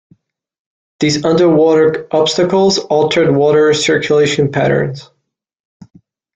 These underwater obstacles, altered water circulation patterns.